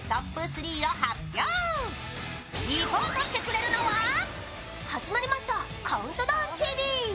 リポートしてくれるのは始まりました「ＣＯＵＮＴＤＯＷＮＴＶ」。